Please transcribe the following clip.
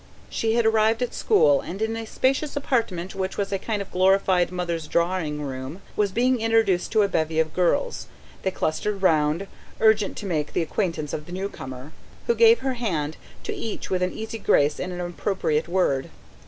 She had arrived at school, and in a spacious apartment, which was a kind of glorified Mother's drawing room, was being introduced to a bevy of girls. They clustered round, urgent to make the acquaintance of the newcomer, who gave her hand to each with an easy grace and an appropriate word.